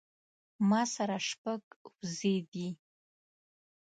ما سره شپږ وزې دي